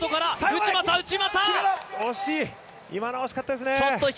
今のは惜しかったですね。